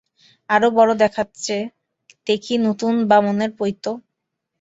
আরও বড় দেখাচ্চে, দেখি নতুন বামুনের পৈতো?